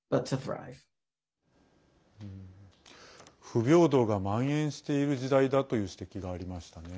不平等がまん延している時代だという指摘がありましたね。